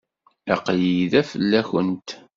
Aql-iyi da fell-awent.